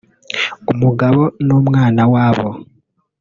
umugabo n’umwana wabo